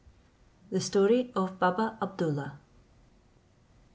The Story of Baba Abdoollah.